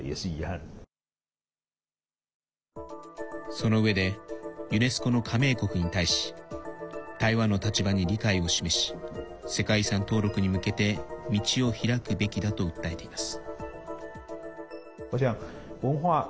そのうえでユネスコの加盟国に対し台湾の立場に理解を示し世界遺産登録に向けて道を開くべきだと訴えています。